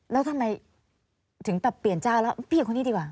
แล้วทำไมถึงแบบเปลี่ยนเจ้าแล้วพี่คนนี้ดีกว่า